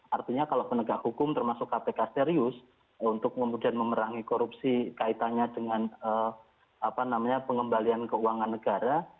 artinya kalau penegak hukum termasuk kpk serius untuk kemudian memerangi korupsi kaitannya dengan pengembalian keuangan negara